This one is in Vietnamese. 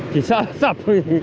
chỉ sợ sập